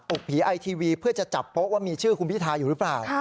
ผีไอทีวีเพื่อจะจับโป๊ะว่ามีชื่อคุณพิทาอยู่หรือเปล่า